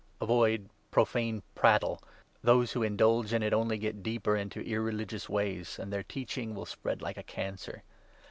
Avoid profane prattle. Those who indulge in it 16 only get deeper into irreligious ways, and their teaching will 17 spread like a cancer.